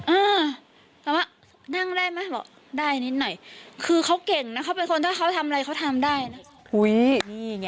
อ่าแต่ว่านั่งได้ไหมบอกได้นิดหน่อยคือเขาเก่งนะเขาเป็นคนถ้าเขาทำอะไรเขาทำได้นะ